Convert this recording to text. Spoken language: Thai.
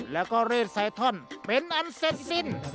แล้วก็เรดไซท่อนเป็นอันเสร็จสิ้น